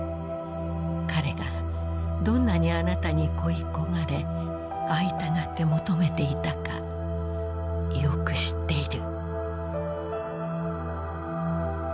彼がどんなにあなたに恋い焦がれ会いたがって求めていたかよく知っている」。